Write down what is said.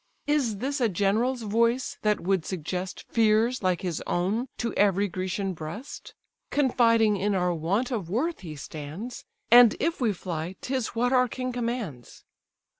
Is this a general's voice, that would suggest Fears like his own to every Grecian breast? Confiding in our want of worth, he stands; And if we fly, 'tis what our king commands.